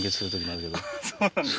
そうなんですか。